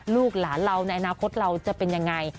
ลูกหลานเราในอนาคตเราจะเป็นยังไง